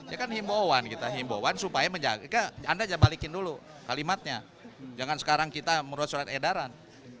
ya kan himboan kita himboan supaya menjaga anda aja balikin dulu kalimatnya jangan sekarang kita merosot edaran